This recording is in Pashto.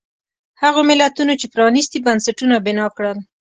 هغو ملتونو چې پرانیستي بنسټونه بنا کړل.